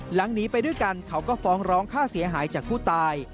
หนีไปด้วยกันเขาก็ฟ้องร้องค่าเสียหายจากผู้ตาย